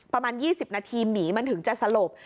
ประมาณ๒๐นาทีหมีมันถึงจะสลบ